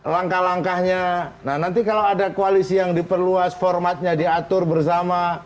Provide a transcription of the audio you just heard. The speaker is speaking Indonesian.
langkah langkahnya nah nanti kalau ada koalisi yang diperluas formatnya diatur bersama